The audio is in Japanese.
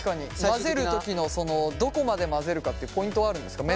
混ぜる時のどこまで混ぜるかってポイントはあるんですか？